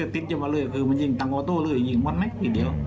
ติ๊ดมาเลยคือมันยิงตังโอโต้เลยยิงหมดไหมอีกเดียว